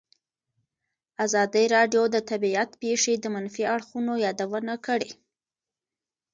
ازادي راډیو د طبیعي پېښې د منفي اړخونو یادونه کړې.